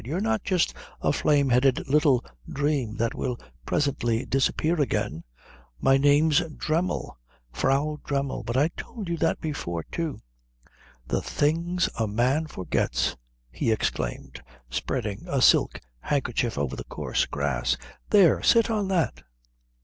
"You're not just a flame headed little dream that will presently disappear again?" "My name's Dremmel. Frau Dremmel. But I told you that before, too." "The things a man forgets!" he exclaimed, spreading a silk handkerchief over the coarse grass. "There! Sit on that."